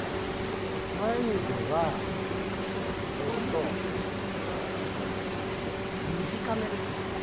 眉毛は短めですね。